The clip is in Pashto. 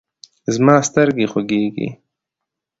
زما سترګې خوږیږي